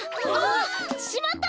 あ！しまった！